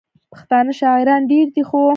پښتانه شاعران ډېر دي، خو: